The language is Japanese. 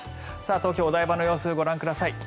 東京・お台場の様子ご覧ください。